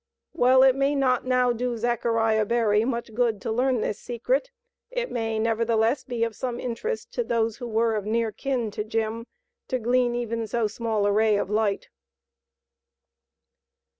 While it may not now do Zachariah Berry much good to learn this secret, it may, nevertheless, be of some interest to those who were of near kin to Jim to glean even so small a ray of light.